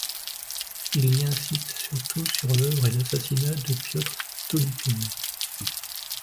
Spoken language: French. Il y insiste surtout sur l'œuvre et l'assassinat de Piotr Stolypine.